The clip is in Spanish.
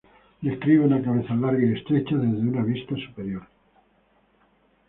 Describe una cabeza larga y estrecha desde una vista superior.